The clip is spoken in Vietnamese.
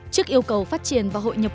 trước yêu cầu phát triển và hội nhập